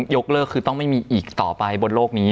ยกเลิกคือต้องไม่มีอีกต่อไปบนโลกนี้